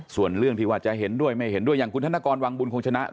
ส่วนเรื่องที่ว่าจะเห็นด้วยไม่เห็นด้วยอย่างคุณธนกรวังบุญคงชนะ